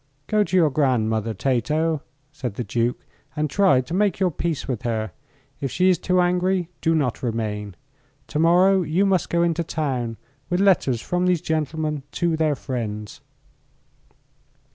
"Go to your grandmother, Tato," said the Duke, "and try to make your peace with her. If she is too angry, do not remain. To morrow you must go into town with letters from these gentlemen to their friends."